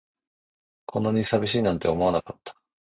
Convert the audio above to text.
こんなに寂しいなんて思わなかった